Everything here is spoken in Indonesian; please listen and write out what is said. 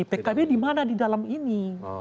pkb dimana di dalam ini